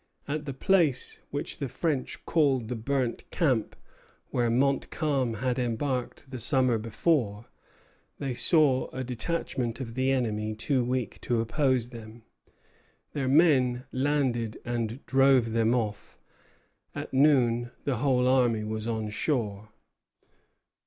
At the place which the French called the Burnt Camp, where Montcalm had embarked the summer before, they saw a detachment of the enemy too weak to oppose them. Their men landed and drove them off. At noon the whole army was on shore.